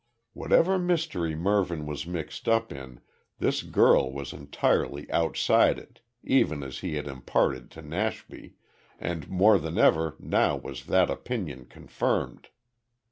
Whatever mystery Mervyn was mixed up in, this girl was entirely outside it, even as he had imparted to Nashby, and more than ever now was that opinion confirmed.